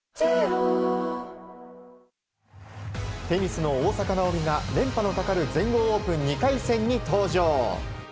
テニスの大坂なおみが連覇のかかる全豪オープン２回戦に登場。